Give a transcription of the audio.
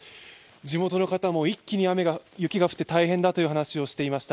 地元の方も一気に雪が降って大変だという話をしていました。